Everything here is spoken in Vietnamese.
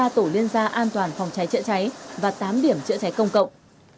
hai mươi ba tổ liên gia an toàn phòng cháy chữa cháy và tám điểm chữa cháy công cộng